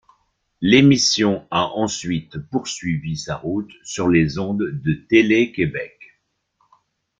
L'émission a ensuite poursuivi sa route sur les ondes de Télé-Québec.